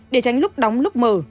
để tránh lúc đóng lúc mở